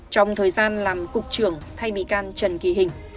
trong thời gian làm cục trưởng thay bị can trần kỳ hình